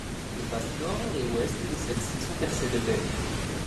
Les faces nord et ouest de celle-ci sont percées de baies.